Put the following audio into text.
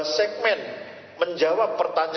dua segmen menjawab pertanyaannya